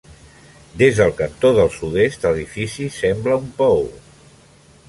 Des del cantó del sud-est, l'edifici sembla un paó.